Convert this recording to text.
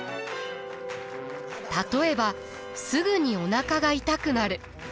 例えばすぐにおなかが痛くなる。